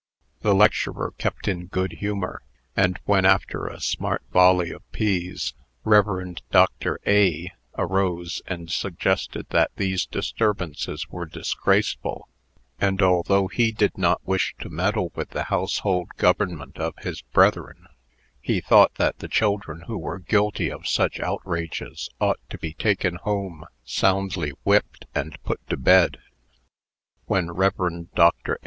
The lecturer kept in good humor; and when, after a smart volley of peas, Rev. Dr. A arose, and suggested that these disturbances were disgraceful, and, although he did not wish to meddle with the household government of his brethren, he thought that the children who were guilty of such outrages ought to be taken home, soundly whipped, and put to bed when Rev. Dr.